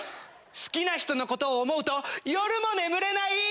好きな人のことを思うと夜も眠れない？